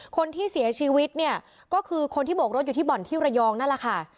คนที่เสียชีวิตเนี่ยก็คือคนที่โบกรถอยู่ที่บ่อนที่ระยองนั่นแหละค่ะ